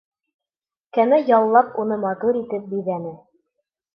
Кәмә яллап, уны матур итеп биҙәне.